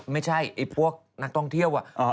ไม่ใช่พวกนักท่องเทียบ